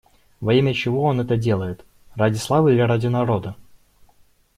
Во имя чего он это делает: ради славы или ради народа?